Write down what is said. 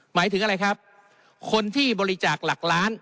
หมายถึงอะไรครับคนที่บริจาคหลักล้าน